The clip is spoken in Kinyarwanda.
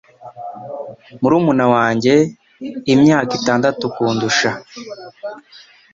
Murumuna wanjye imyaka itandatu kundusha.